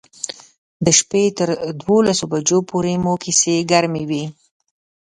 د شپې تر دولس بجو پورې مو کیسې ګرمې وې.